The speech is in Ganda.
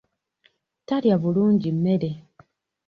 Talya bulungi mmere.